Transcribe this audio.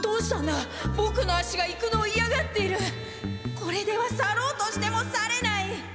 これでは去ろうとしても去れない！